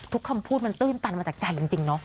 คำพูดมันตื้นตันมาจากใจมันจริงเนาะ